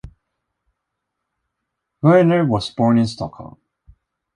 Werner was born in Stockholm.